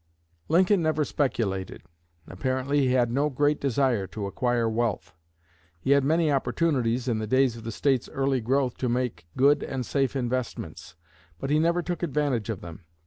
Lincoln never speculated. Apparently he had no great desire to acquire wealth. He had many opportunities in the days of the State's early growth to make good and safe investments, but he never took advantage of them.